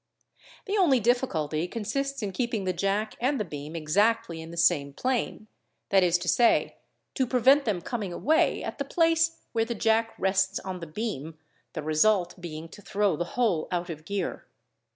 The only | ENTERING BY THE WINDOW 723 difficulty consists in keeping the jack and the beam exactly in the same plane, that is to say, to prevent them coming away at the place where the jack rests on the beam, the result being to throw the whole out of gear.